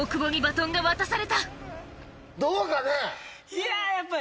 いややっぱ。